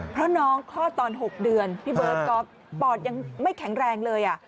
เพราะน้องคลอดตอน๖เดือนพี่เบิร์ตก๊อฟปอดยังไม่แข็งแรงเลย